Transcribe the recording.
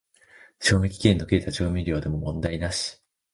賞味期限の切れた調味料でも問題なし